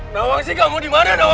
nawangsi kamu dimana